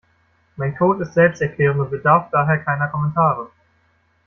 Mein Code ist selbsterklärend und bedarf daher keiner Kommentare.